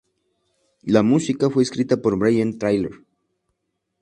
La música fue escrita por Brian Tyler.